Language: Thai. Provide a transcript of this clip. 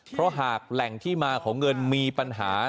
เพราะหากแหล่งที่มาของเงินมีปัญหา